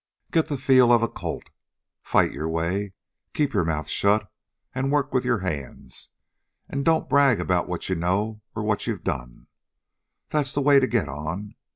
Get the feel of a Colt. Fight your way. Keep your mouth shut and work with your hands. And don't brag about what you know or what you've done. That's the way to get on.